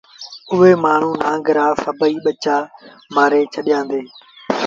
اُئي مآڻهوٚٚݩ نآݩگ رآ سڀ ٻچآ مآري ڇڏيآݩدي